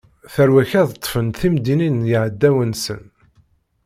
Tarwa-k ad ṭṭfen timdinin n yeɛdawen-nsen.